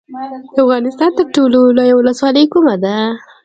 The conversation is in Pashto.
د افغانستان تر ټولو لویه ولسوالۍ کومه ده؟